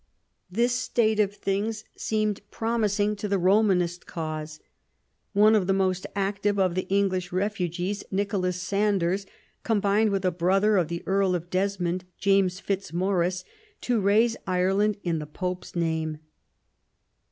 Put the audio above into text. This state of things seemed promising to the Romanist cause. One of the most active of the English refugees, Nicholas Sanders, combined with a brother of the Earl of Desmond, James Fitzmorris, to raise Ireland in the Pope's name.